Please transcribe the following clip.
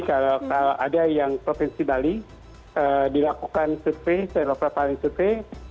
kalau ada yang provinsi bali dilakukan survei saya terlibat pada survei